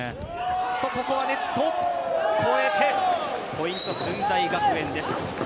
ここはネットを越えてポイント、駿台学園です。